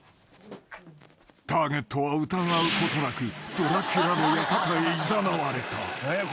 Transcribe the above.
［ターゲットは疑うことなくドラキュラの館へいざなわれた］